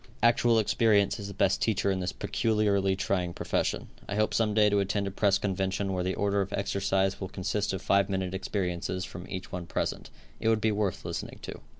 Actual experience is the best teacher in this peculiarly trying profession. I hope some day to attend a press convention where the order of exercise will consist of five minute experiences from each one present It would be worth listening to.